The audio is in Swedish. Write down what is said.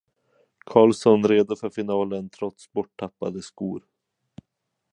Karlsson redo för finalen trots borttappade skor.